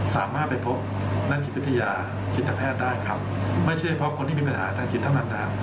สามารถไปพบนักกิจพิทยาคิตแพทย์ได้ครับไม่เชื่อเพราะคนที่มีปัญหาทางจิตธรรมดา